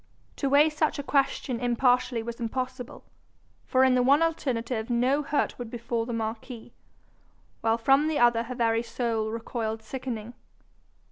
To weigh such a question impartially was impossible; for in the one alternative no hurt would befall the marquis, while from the other her very soul recoiled sickening.